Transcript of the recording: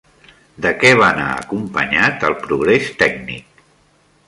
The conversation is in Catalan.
De què va anar acompanyat el progrés tècnic?